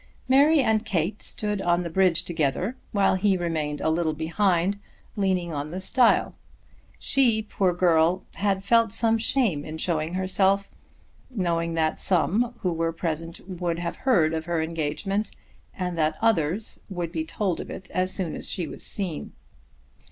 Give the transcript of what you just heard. Mary and Kate stood on the bridge together, while he remained a little behind leaning on the stile. She, poor girl, had felt some shame in showing herself, knowing that some who were present would have heard of her engagement, and that others would be told of it as soon as she was seen.